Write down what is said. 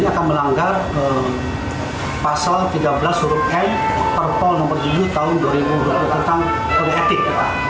akan melanggar pasal tiga belas huruf n perpol nomor tujuh tahun dua ribu dua puluh tentang kode etik